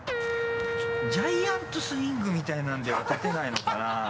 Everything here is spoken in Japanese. ジャイアントスイングみたいなのでは立てないのかな？